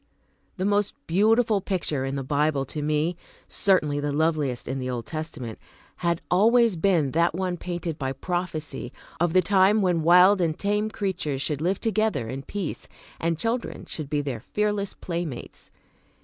The most beautiful picture in the Bible to me, certainly the loveliest in the Old Testament, had always been that one painted by prophecy, of the time when wild and tame creatures should live together in peace, and children should be their fearless playmates.